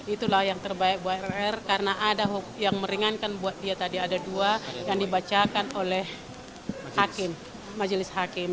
itulah yang terbaik buat rr karena ada yang meringankan buat dia tadi ada dua yang dibacakan oleh majelis hakim